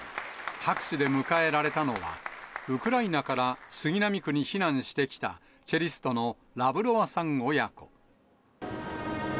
拍手で迎えられたのは、ウクライナから杉並区に避難してきたチェリストのラヴロワさん親子。